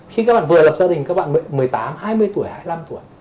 khi các bạn vừa lập gia đình các bạn một mươi tám hai mươi tuổi hai mươi năm tuổi